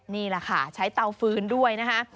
นี่แหละค่ะใช้เตาฟื้นด้วยนะคะ